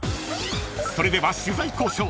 ［それでは取材交渉